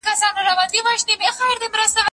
مړۍ وخوره،